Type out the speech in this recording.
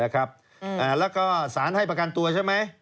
แล้วก็สารให้ประกันตัวใช่ไหม